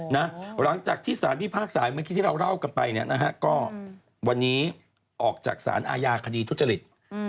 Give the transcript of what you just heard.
หลังจากที่สารพิพากษาเมื่อกี้ที่เราเล่ากันไปเนี่ยนะฮะก็วันนี้ออกจากสารอาญาคดีทุจริต